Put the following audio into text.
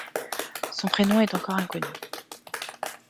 Son prénom est encore inconnu.